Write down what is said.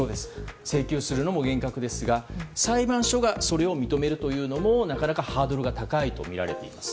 請求するのも厳格ですが裁判所がそれを認めるのもなかなかハードルが高いとみられています。